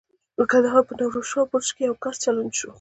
د کندهار په نوروز شاه برج کې یو کس چلنج شو.